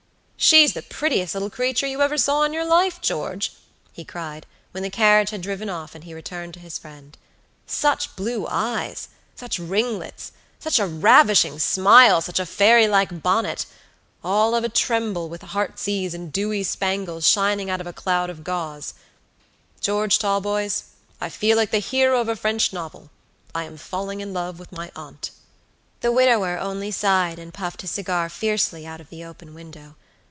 "She's the prettiest little creature you ever saw in your life, George," he cried, when the carriage had driven off and he returned to his friend. "Such blue eyes, such ringlets, such a ravishing smile, such a fairy like bonnetall of a tremble with heart's ease and dewy spangles, shining out of a cloud of gauze. George Talboys, I feel like the hero of a French novel: I am falling in love with my aunt." The widower only sighed and puffed his cigar fiercely out of the open window.